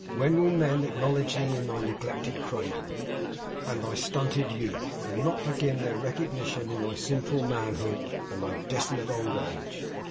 When will men acknowledge thee in thy neglected cradle, and thy stunted youth, and not begin their recognition in thy sinful manhood and thy desolate old age!